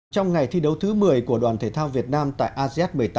trong ngày thi đấu thứ một mươi của đoàn thể thao việt nam tại asean một mươi tám